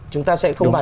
chúng ta sẽ không bằng